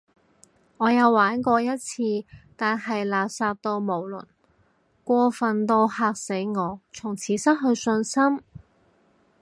我有玩過一次，但係垃圾到無倫，過份到嚇死我，從此失去信心